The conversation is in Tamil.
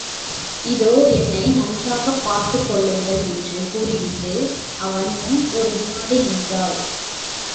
இதோ என்னை நன்றாகப் பார்த்துக் கொள்ளுங்கள் என்று கூறிவிட்டு அவன் முன் ஒரு விநாடி நின்றாள்.